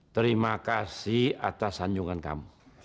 terima kasih atas anjungan kamu